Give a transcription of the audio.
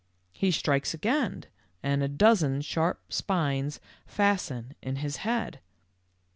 He strikes again, and a dozen sharp spines fasten in his head.